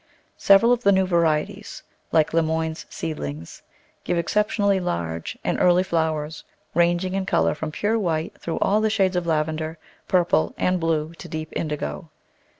Several of the new varieties, like Lemoine's seedlings, give ex ceptionally large and early flowers, ranging in colour from pure white through all the shades of lavender, purple, and blue to deep indigo.